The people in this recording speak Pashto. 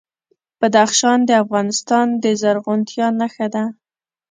بدخشان د افغانستان د زرغونتیا نښه ده.